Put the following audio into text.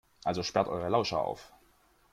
Also sperrt eure Lauscher auf!